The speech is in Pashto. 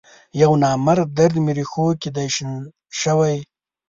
یونامرد درد می رېښوکې دی شین شوی